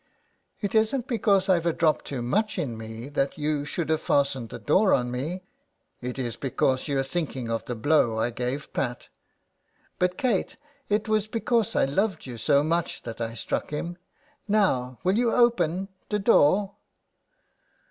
" It isn't because I've a drop too much in me that you should have fastened the door on me; it is because you're thinking of the blow I've gave Pat. But Kate, it was because I loved you so much that I struck him. Now will you open — the door